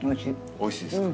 おいしいですか？